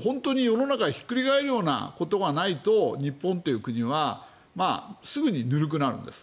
本当に世の中がひっくり返るようなことがないと日本という国はすぐにぬるくなるんです。